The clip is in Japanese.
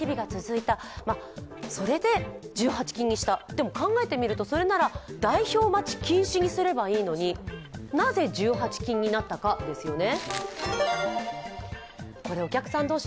でも考えてみると、それなら代表待ち禁止にすればいいのになぜ１８禁になったかですよね。